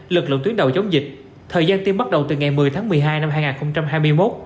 lực lượng tuyến đầu chống dịch thời gian tiêm bắt đầu từ ngày một mươi tháng một mươi hai năm hai nghìn hai mươi một